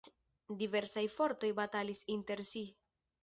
Diversaj fortoj batalis inter si.